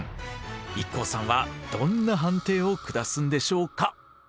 ＩＫＫＯさんはどんな判定を下すんでしょうか？